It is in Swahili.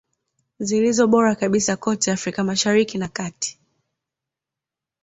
Zilizo bora kabisa kote Afrika Mashariki na kati